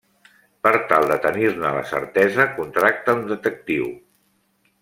Per tal de tenir-ne la certesa, contracta un detectiu.